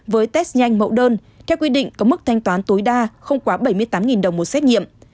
với test nhanh mẫu đơn theo quy định có mức thanh toán tối đa không quá bảy mươi tám đồng một xét nghiệm